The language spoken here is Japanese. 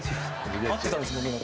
合ってたんですもんね？